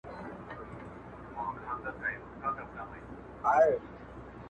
• د کلي سپی یې، د کلي خان دی.